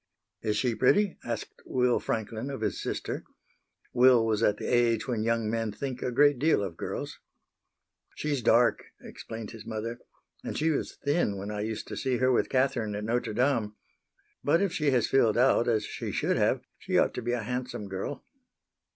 "Is she pretty?" asked Will Franklin of his sister. Will was at the age when young men think a great deal of girls. "She's dark," explained his mother, "and she was thin when I used to see her with Catherine at Notre Dame. But if she has filled out as she should have, she ought to be a handsome girl."